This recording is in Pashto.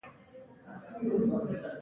موږ ماسپښین ډوډۍ وخوړه او اخبار مو ولوست.